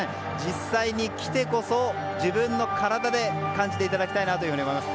実際に来てこそ、自分の体で感じていただきたいと思います。